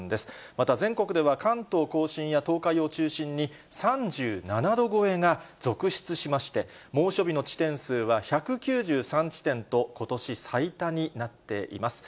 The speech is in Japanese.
また全国では関東甲信や東海を中心に、３７度超えが続出しまして、猛暑日の地点数は１９３地点と、ことし最多になっています。